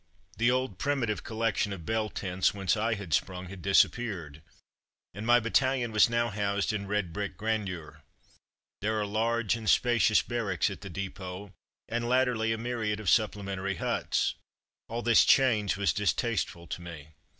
The old, primitive collection of bell tents, whence I had sprung, had disappeared, and my battalion was now housed in red brick grandeur. There are 13 14 From Mud to Mufti large and spacious barracks at the depot, and latterly a myriad of supplementary huts. All this change was distasteful to me.